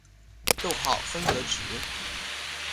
逗号分隔值。